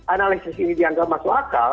analisis ini dianggap masuk akal